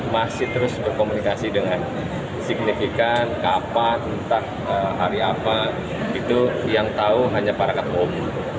masih terus berkomunikasi dengan signifikan kapan entah hari apa itu yang tahu hanya para ketua umum